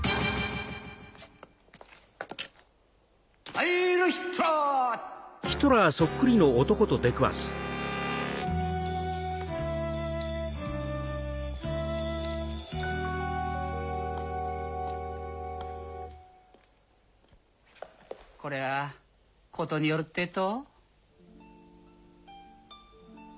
ハイルヒトラー！こりゃ事によるってぇと。